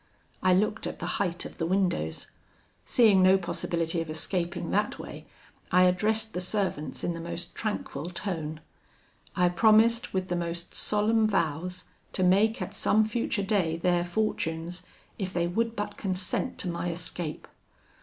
I looked at the height of the windows. Seeing no possibility of escaping that way, I addressed the servants in the most tranquil tone. I promised, with the most solemn vows, to make at some future day their fortunes, if they would but consent to my escape.